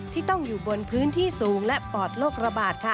ที่ต้องอยู่บนพื้นที่สูงและปอดโรคระบาดค่ะ